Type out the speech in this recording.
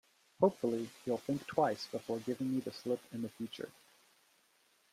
Hopefully, you'll think twice before giving me the slip in future.